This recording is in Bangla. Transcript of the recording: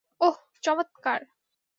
ওহ, চমৎকার।